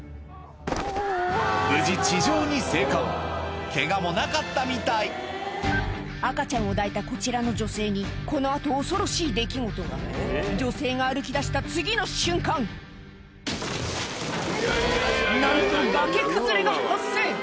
無事地上に生還ケガもなかったみたい赤ちゃんを抱いたこちらの女性にこの後恐ろしい出来事が女性が歩きだした次の瞬間なんと崖崩れが発生